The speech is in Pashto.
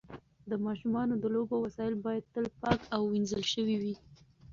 د ماشومانو د لوبو وسایل باید تل پاک او وینځل شوي وي.